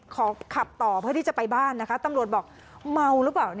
ขับต่อเพื่อที่จะไปบ้านนะคะตำรวจบอกเมาหรือเปล่า